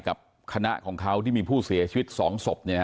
กับคณะที่มีผู้เสียชวิต๒สบ